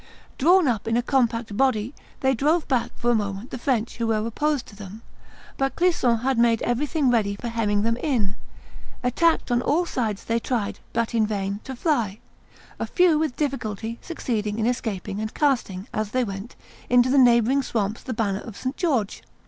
Drawn up in a compact body, they drove back for a moment the French who were opposed to them; but Clisson had made everything ready for hemming them in; attacked on all sides they tried, but in vain, to fly; a few, with difficulty, succeeded in escaping and casting, as they went, into the neighboring swamps the banner of St. George.